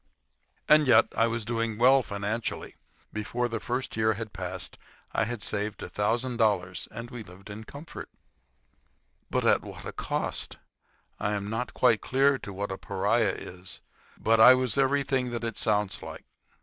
And yet I was doing well financially. Before the first year had passed I had saved a thousand dollars, and we had lived in comfort. But at what a cost! I am not quite clear as to what a pariah is, but I was everything that it sounds like.